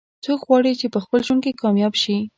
څوک غواړي چې په خپل ژوند کې کامیاب شي